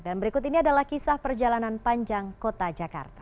dan berikut ini adalah kisah perjalanan panjang kota jakarta